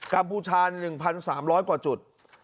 ัมพูชา๑๓๐๐กว่าจุด